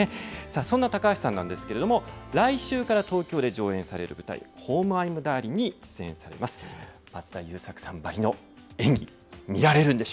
そんな高橋さんなんですけれども、来週から東京で上演される舞台、ホーム・アイム・ダーリンに出演されます。